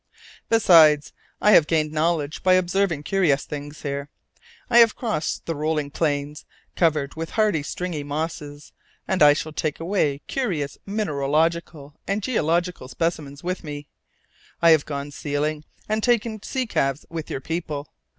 "Besides, I have gained knowledge by observing curious things here. I have crossed the rolling plains, covered with hard stringy mosses, and I shall take away curious mineralogical and geological specimens with me. I have gone sealing, and taken sea calves with your people.